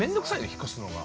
引っ越すのが。